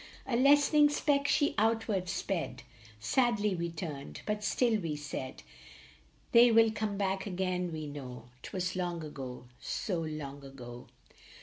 A lessening speck she outward sped ; Sadly we turned, but still we said, "They will come back again, we know," T was long ago, so long ago ! 46 SO LONG AGO.